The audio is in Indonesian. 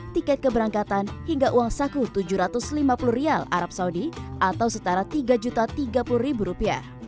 tiket keberangkatan hingga uang saku rp tujuh ratus lima puluh arab saudi atau setara rp tiga tiga puluh